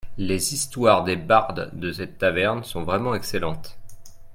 Les histoires des bardes de cette taverne sont vraiment excellentes.